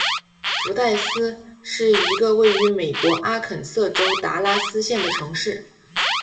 福代斯是一个位于美国阿肯色州达拉斯县的城市。